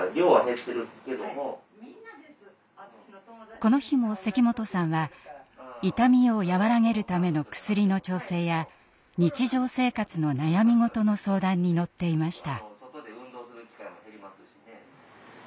この日も関本さんは痛みを和らげるための薬の調整や日常生活の悩み事の相談に乗っていました。